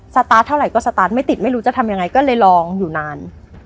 สตาร์ทเท่าไหร่ก็สตาร์ทไม่ติดไม่รู้จะทำยังไงก็เลยลองอยู่นาน